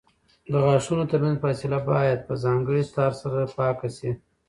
د غاښونو ترمنځ فاصله باید په ځانګړي تار سره پاکه شي.